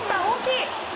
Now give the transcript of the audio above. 大きい！